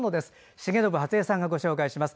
重信初江さんがご紹介します。